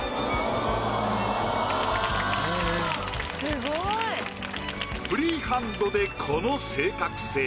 ・すごい！・フリーハンドでこの正確性。